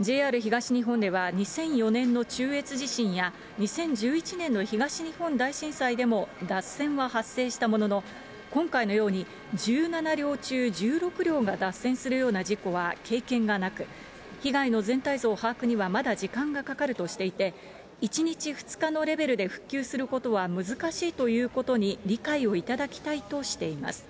ＪＲ東日本では、２００４年の中越地震や２０１１年の東日本大震災でも脱線は発生したものの、今回のように、１７両中１６両が脱線するような事故は経験がなく、被害の全体像把握にはまだ時間がかかるとしていて、１日、２日のレベルで復旧することは難しいということに理解をいただきたいとしています。